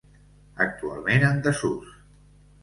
Actualment en desús.